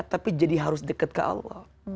tapi jadi harus dekat ke allah